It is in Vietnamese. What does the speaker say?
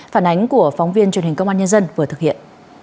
phản ánh của phóng viên truyền hình công an nhân dân vừa thực hiện